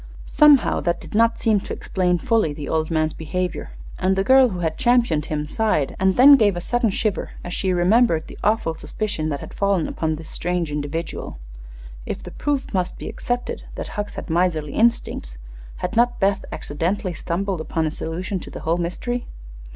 Somehow that did not seem to explain fully the old man's behavior, and the girl who had championed him sighed and then gave a sudden shiver as she remembered the awful suspicion that had fallen upon this strange individual. If the proof must be accepted that Hucks had miserly instincts, had not Beth accidentally stumbled upon a solution of the whole mystery?